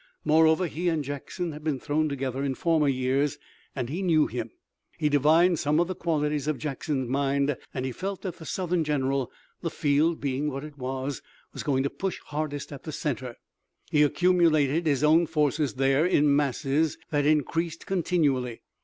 Moreover he and Jackson had been thrown together in former years, and he knew him. He divined some of the qualities of Jackson's mind, and he felt that the Southern general, the field being what it was, was going to push hardest at the center. He accumulated his own forces there in masses that increased continually.